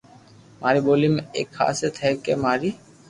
ماري ٻولي ۾ ايڪ خاصيت ھي ڪي ماري